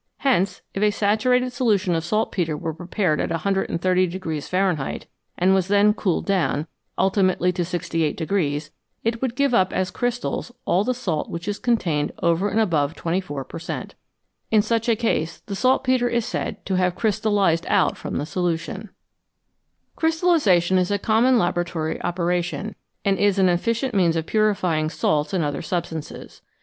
Hence if a saturated solution of saltpetre were prepared at 130 Fahrenheit, and was then cooled down, ultimately to 68, it would give up as crystals all the salt which it contained over and above 24 per cent. In such a case the saltpetre is said to have "crystallised out" from the solution. 314 FROM SOLUTIONS TO CRYSTALS Crystallisation is a common laboratory operation, and is an efficient means of purifying salts and other sub stances.